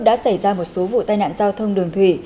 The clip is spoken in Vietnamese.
đã xảy ra một số vụ tai nạn giao thông đường thủy